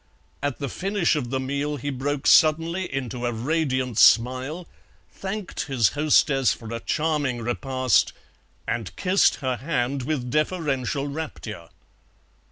At the finish of the meal he broke suddenly into a radiant smile, thanked his hostess for a charming repast, and kissed her hand with deferential rapture.